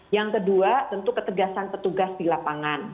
yang kedua tentu ketegasan petugas di lapangan